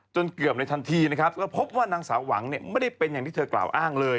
เกือบในทันทีนะครับก็พบว่านางสาวหวังเนี่ยไม่ได้เป็นอย่างที่เธอกล่าวอ้างเลย